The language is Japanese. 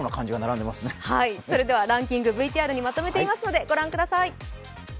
それではランキング、ＶＴＲにまとめています。